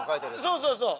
そうそうそう。